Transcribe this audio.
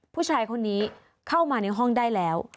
ผู้ชายคนนี้เข้ามาในห้องได้แล้ว